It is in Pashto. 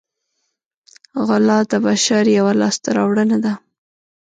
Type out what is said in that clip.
غلا د بشر یوه لاسته راوړنه ده